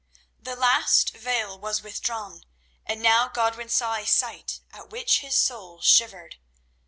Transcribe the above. The last veil was withdrawn, and now Godwin saw a sight at which his soul shivered.